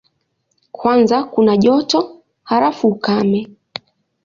Kwanza kuna joto, halafu ukame.